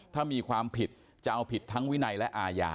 ถ้ามีความผิดจะเอาผิดทั้งวินัยและอาญา